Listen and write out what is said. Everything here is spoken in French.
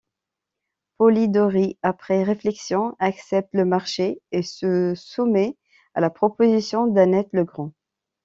Polidori, après réflexion, accepte le marché et se soumet à la proposition d'Annette Legrand.